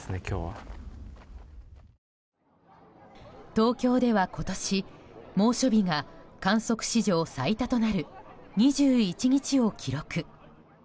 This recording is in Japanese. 東京では今年猛暑日が観測史上最多となる２１日を記録。